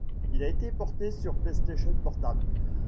Il a été porté sur PlayStation Portable.